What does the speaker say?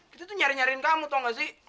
kita tuh nyari nyari kamu tau gak sih